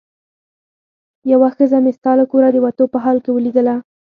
یوه ښځه مې ستا له کوره د وتو په حال کې ولیدله.